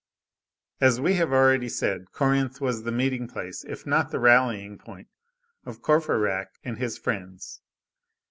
As we have already said, Corinthe was the meeting place if not the rallying point, of Courfeyrac and his friends.